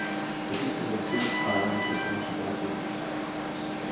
Existen versións para varios sistemas operativos.